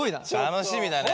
楽しみだね。